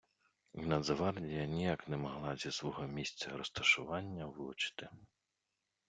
І Нацгвардія ніяк не могла зі свого місця розташування влучити.